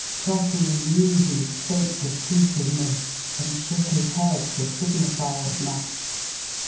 Trotty knew he spoke the Truth in this, and shook his head to signify as much.